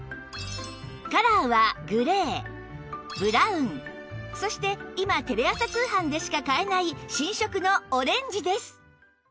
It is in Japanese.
カラーはグレーブラウンそして今テレ朝通販でしか買えない新色のオレンジです